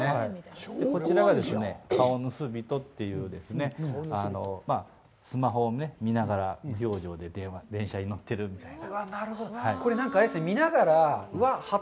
こちらが顔ぬすびとという、スマホを見ながら無表情で電車に乗ってるみたいな。